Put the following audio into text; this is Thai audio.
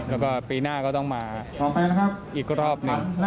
แล้วก็ปีหน้าก็ต้องมาอีกรอบหนึ่ง